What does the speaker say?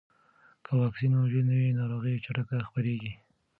که واکسین موجود نه وي، ناروغي چټکه خپرېږي.